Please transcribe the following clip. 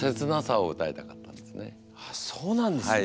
あっそうなんですね。